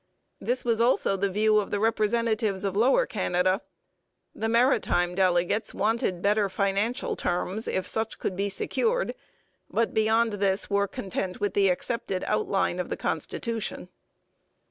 This was also the view of the representatives of Lower Canada. The maritime delegates wanted better financial terms if such could be secured, but beyond this were content with the accepted outline of the constitution.